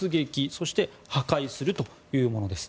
そして破壊するというものです。